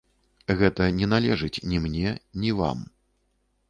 Гэта не належыць ні мне, ні вам.